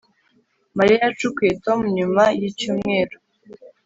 Mariya yacukuye Tom nyuma yicyumweru